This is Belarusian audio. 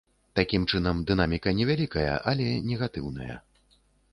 Такім чынам, дынаміка невялікая, але негатыўная.